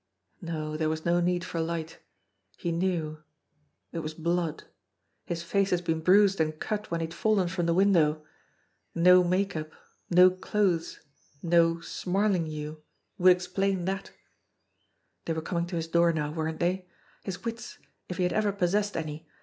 No, there was no need for light. He knew ! It was blood. His face had been bruised and cut when he had fallen from the window. No make up, no clothes, no "Smarlinghue" would explain that! They were coming to his door now, weren't they? His wits if he had ever possessed any